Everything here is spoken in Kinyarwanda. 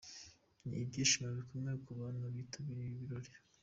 Ni ibyishimo bikomeye ku bantu bitabiriye ibi birori.